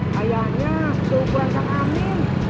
kayaknya tuh ukuran kang amin